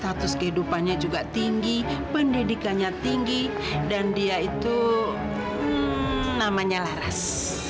status kehidupannya juga tinggi pendidikannya tinggi dan dia itu namanya laras